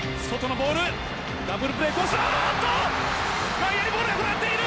外野にボールが転がっている。